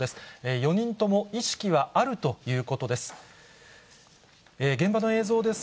４人とも意識はあるということです。